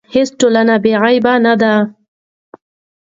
هیڅ ټولنه بې عیبه نه ده.